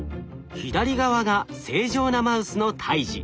左側が正常なマウスの胎児。